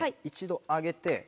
一度上げて。